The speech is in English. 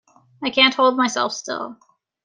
I can't hold myself still.